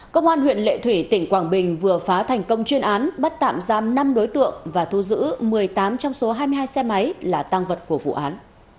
công an huyện lệ thủy tỉnh quảng bình vừa phá thành công chuyên án bắt tạm giam năm đối tượng và thu giữ một mươi tám trong số hai mươi hai xe máy là tăng vật của vụ án